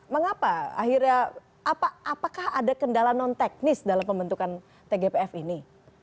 mengapa akhirnya apakah ada kendala non teknis dalam pembentukan tgpf ini